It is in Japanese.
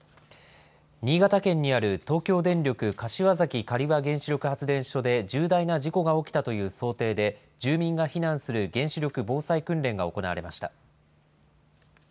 新潟県にある東京電力柏崎刈羽原子力発電所で、重大な事故が起きたという想定で住民が避難する原子力防災訓練が行われました。